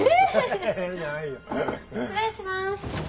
失礼します。